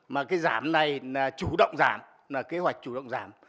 mà cái giảm này là chủ động giảm là kế hoạch chủ động giảm